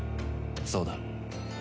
そうだ。